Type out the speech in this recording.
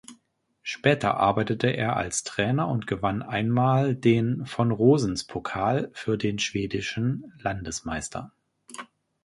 Später arbeitete er als Trainer und gewann einmal den Von-Rosens-Pokal für den schwedischen Landesmeister.